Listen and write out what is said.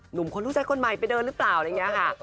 หนุ่มคนรู้ใจคนใหม่ไปเดินหรือเปล่าอะไรอย่างนี้ค่ะ